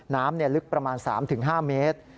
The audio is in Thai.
น้ำลึกประมาณ๓๕เมตร